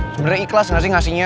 sebenarnya ikhlas gak sih ngasihnya